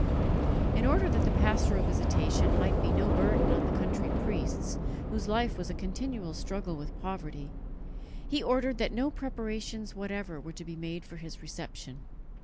In order that the pastoral visitation might be no burden on the country priests, whose life was a continual struggle with poverty, he ordered that no preparations whatever were to be made for his reception.